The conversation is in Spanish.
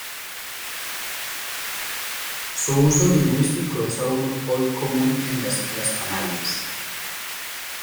Su uso lingüístico es aún hoy común en las Islas Canarias.